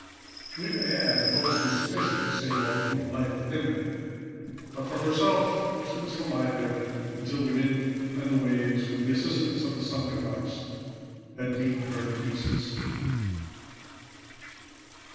We may add: Her boats were sufficient to save all the human life within her, but for herself, she was to lie there until the winds and waves, with the assistance of the sunken rocks, had beaten her in pieces.